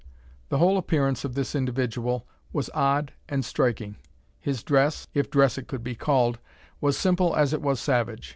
The whole appearance of this individual was odd and striking. His dress, if dress it could be called, was simple as it was savage.